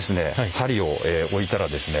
針を置いたらですね